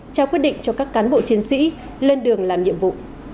trao quyết định cho các cán bộ chiến sĩ lên đường làm nhiệm vụ